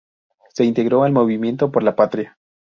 Se integró al movimiento Por la Patria.